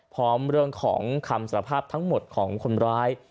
พร้อมเรื่องของคำสารภาพทั้งหมดของคนร้าย